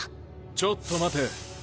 ちょっと待て。